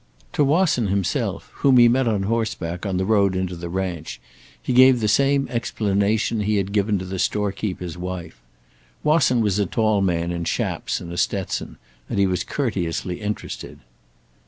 To Wasson himself, whom he met on horseback on the road into the ranch, he gave the same explanation he had given to the store keeper's wife. Wasson was a tall man in chaps and a Stetson, and he was courteously interested.